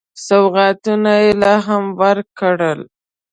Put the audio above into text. سوغاتونه یې لا هم ورکړل.